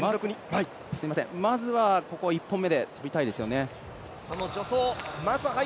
まずはここ１本目で跳びたいですよね。